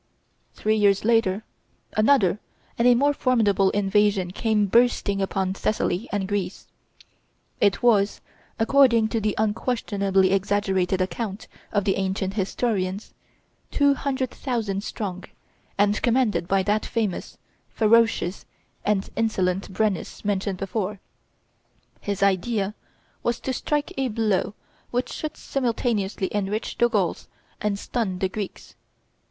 Three years later, another and a more formidable invasion came bursting upon Thessaly and Greece. It was, according to the unquestionably exaggerated account of the ancient historians, two hundred thousand strong, and commanded by that famous, ferocious, and insolent Brennus mentioned before. His idea was to strike a blow which should simultaneously enrich the Gauls and stun the Greeks.